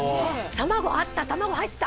卵あった卵入ってた！